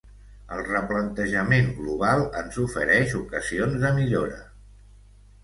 El replantejament global ens ofereix ocasions de millora.